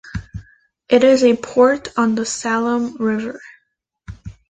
It is a port on the Saloum River.